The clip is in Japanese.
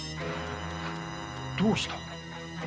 どうした？